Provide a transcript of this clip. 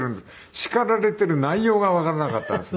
叱られている内容がわからなかったんですね。